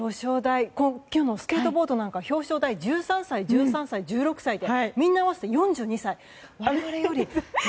今日のスケートボードなんかは表彰台１３歳、１３歳、１６歳ってみんな合わせて４２歳。